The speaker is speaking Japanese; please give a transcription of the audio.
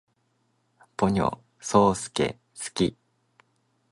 ポニョ，そーすけ，好き